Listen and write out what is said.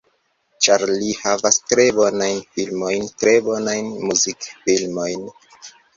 Ĉar li havas tre bonajn filmojn tre bonajn muzikfilmojn.